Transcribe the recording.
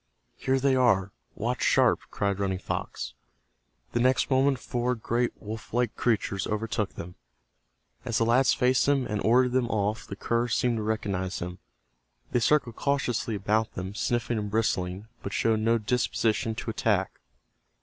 "Here they are—watch sharp!" cried Running Fox. The next moment four great wolf like creatures overtook them. As the lads faced them and ordered them off the curs seemed to recognize them. They circled cautiously about them, sniffing and bristling, but showed no disposition to attack.